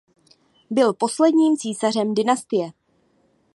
Byl posledním císařem dynastie.